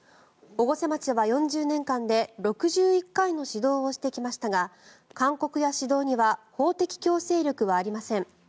越生町は４０年間で６１回の指導をしてきましたが勧告や指導には法的強制力はありません。